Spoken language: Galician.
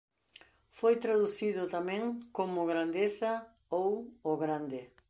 Foi traducido tamén como "grandeza" ou "o grande".